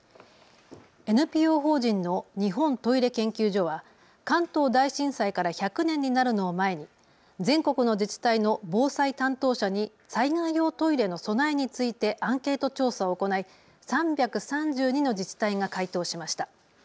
ＮＰＯ法人の日本トイレ研究所は関東大震災から１００年になるのを前に全国の自治体の防災担当者に災害用トイレの備えについてアンケート調査を行い３３２の自治体が回答しました。